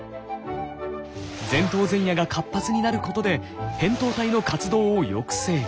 前頭前野が活発になることで扁桃体の活動を抑制。